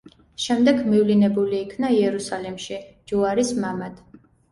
შემდეგ მივლინებული იქნა იერუსალიმში „ჯუარის მამად“.